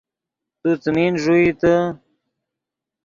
تو څیمین ݱوئیتے